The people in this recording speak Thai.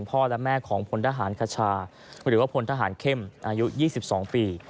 พ่อและแม่ของพลทหารคชาหรือว่าพลทหารเข้มอายุ๒๒ปี